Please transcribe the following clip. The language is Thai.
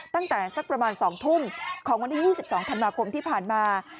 ตั้งแต่สักประมาณ๒ทุ่มของวันที่๒๒ธันวาคมที่ผ่านมา